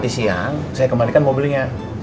siang saya kembalikan mobilnya